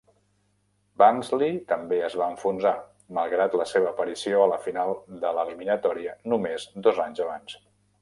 Barnsley també es va enfonsar, malgrat la seva aparició a la final de l'eliminatòria només dos anys abans.